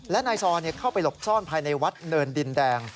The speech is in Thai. และนายซอเข้าไปหลบซ่อนภายในวัดเนินดินแดง